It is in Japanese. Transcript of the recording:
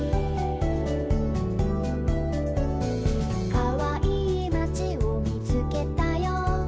「かわいいまちをみつけたよ」